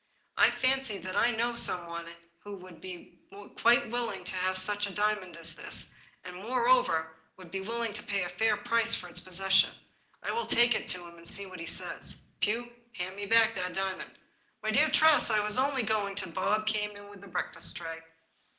I fancy that I know somebody who would be quite willing to have such a diamond as this, and who, moreover, would be willing to pay a fair price for its pos session ; I will take it to him and see what he says." " Pugh, hand me back that diamond." " My dear Tress, I was only going " Bob came in with the breakfast tray.